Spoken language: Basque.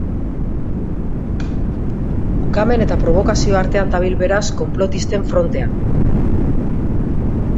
Ukamen eta probokazio artean dabil beraz konplotisten frontea.